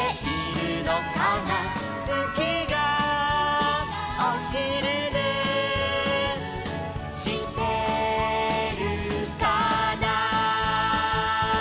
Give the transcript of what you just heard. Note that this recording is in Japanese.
「つきがおひるねしてるかな」